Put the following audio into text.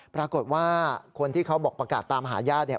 ปรากฏว่าคนที่เขาบอกประกาศตามหาญาติเนี่ย